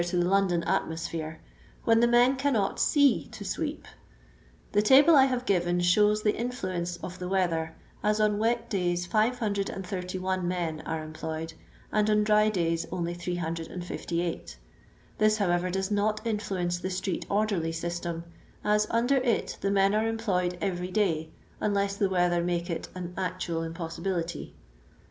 223 to the London atmosphere, when the men cannot t«e to sweep. The table I have given shows the influence of the weather, as on wet days 631 men are employed, and on dry days only 358; this, how eirer, does not inflQcnce the Street Orderly system, as under it the men are employed every day, un lets the weather make it an actual impossibility.